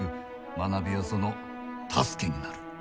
学びはその助けになる。